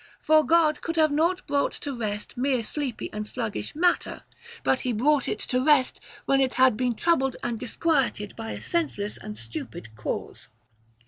For God could not have brought to rest mere sleepy and sluggish matter, but he brought it to rest when it had been troubled and dis quieted by a senseless and stupid cause.